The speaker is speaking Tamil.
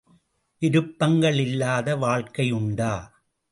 விருப்பங்கள் இல்லாத வாழ்க்கை உண்டா?